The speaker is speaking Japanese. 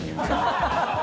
ハハハハ！